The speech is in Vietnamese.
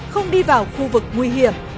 không đi vào khu vực nguy hiểm